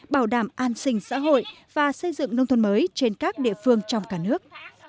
bảo đảm an sinh xã hội và xây dựng nông thôn mới trên các địa phương trong cả nước